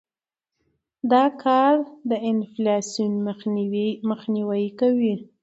دا کار د انفلاسیون مخنیوى کوي.